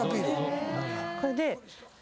これで。